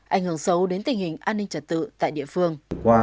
ảnh hưởng xấu đến tình hình an ninh trật tự tại địa phương